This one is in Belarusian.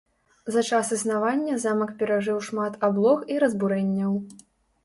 За час існавання замак перажыў шмат аблог і разбурэнняў.